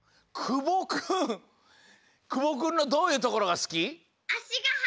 くぼくんのどういうところがすき？